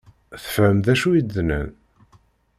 Tefhem d acu i d-nnan?